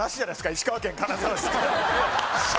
石川県金沢市って。